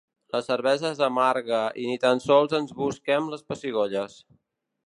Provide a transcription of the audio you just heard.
La cervesa és amarga i ni tan sols ens busquem les pessigolles.